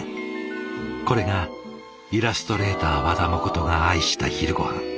これがイラストレーター和田誠が愛した昼ごはん。